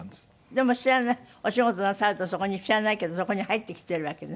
でもお仕事なさるとそこに知らないけどそこに入ってきているわけね。